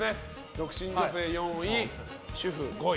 独身女性４位、主婦５位。